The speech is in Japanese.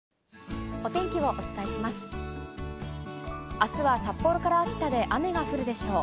あすは札幌から秋田で雨が降るでしょう。